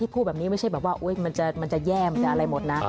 ที่พูดแบบนี้ไม่ใช่ว่ามันจะแย่มอะไรหมดนะ